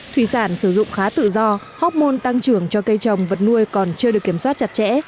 thủy sản sử dụng khá tự do hóc môn tăng trưởng cho cây trồng vật nuôi còn chưa được kiểm soát chặt chẽ